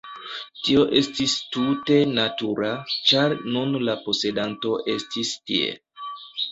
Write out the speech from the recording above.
Tio estis tute natura, ĉar nun la posedanto estis tie.